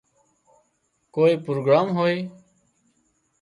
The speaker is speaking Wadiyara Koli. ڪوئي پروگرام هوئي